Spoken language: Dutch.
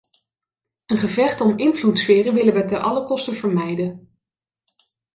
Een gevecht om invloedssferen willen wij ten alle koste vermijden.